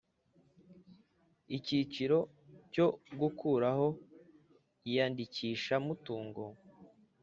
Icyiciro cyo Gukuraho iyandikisha mutungo